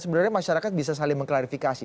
sebenarnya masyarakat bisa saling mengklarifikasi